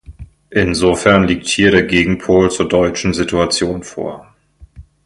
Insofern liegt hier der Gegenpol zur deutschen Situation vor.